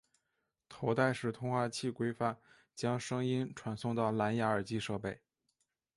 头戴式通话器规范将声音传送到蓝芽耳机设备。